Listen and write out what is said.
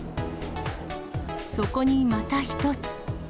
そこにまた一つ。